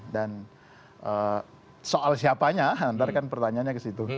dan soal siapanya nanti kan pertanyaannya ke situ